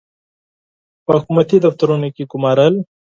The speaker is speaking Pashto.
په حکومتي دفترونو کې ګومارل.